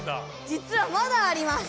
じつはまだあります。